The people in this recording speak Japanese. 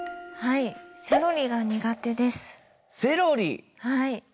はいセロリが苦手です。